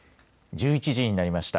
１１時になりました。